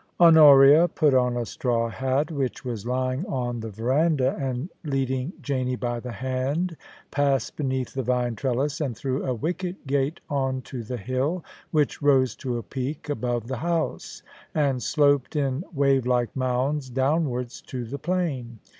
HoNORiA put on a straw hat which was lying on the verandah, and leading Janie by the hand, passed beneath the vine trellis and through a wicket gate on to the hill, which rose to a peak above the house, and sloped in wave like mounds downwards to the plain.